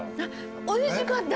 おいしかった！